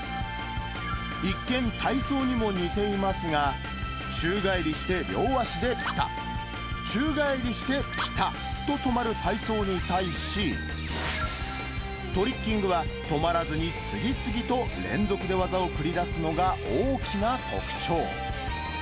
一見、体操にも似ていますが、宙返りして両足でぴたっ、宙返りしてぴたっと止まる体操に対し、トリッキングは止まらずに次々と連続で技を繰り出すのが大きな特徴。